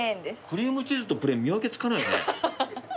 クリームチーズとプレーン見分けつかないね。